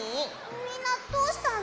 みんなどうしたの？